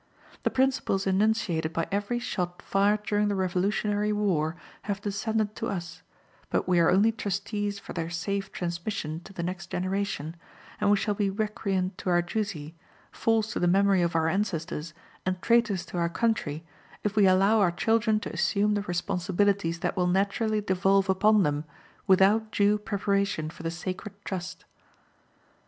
The principles enunciated by every shot fired during the Revolutionary war have descended to us, but we are only trustees for their safe transmission to the next generation, and we shall be recreant to our duty, false to the memory of our ancestors, and traitors to our country, if we allow our children to assume the responsibilities that will naturally devolve upon them without due preparation for the sacred trust.